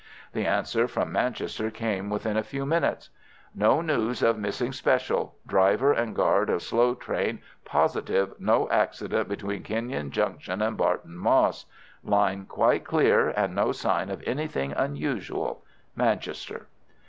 The answer from Manchester came within a few minutes. "No news of missing special. Driver and guard of slow train positive no accident between Kenyon Junction and Barton Moss. Line quite clear, and no sign of anything unusual.—Manchester."